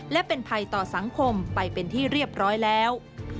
และเป็นภัยต่อสังคมไปเป็นที่เรียบร้อยแล้ว